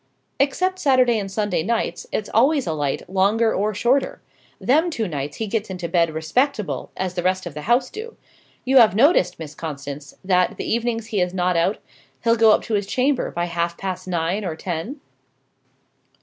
"Except Saturday and Sunday nights, it's always alight, longer or shorter. Them two nights, he gets into bed respectable, as the rest of the house do. You have noticed, Miss Constance, that, the evenings he is not out, he'll go up to his chamber by half past nine or ten?"